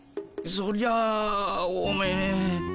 そりゃおめえ。